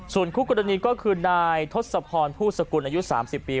ส่วนคู่กรณีก็คือนายทศพรผู้สกุลอายุ๓๐ปี